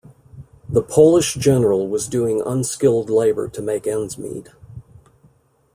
The Polish general was doing unskilled labor to make ends meet.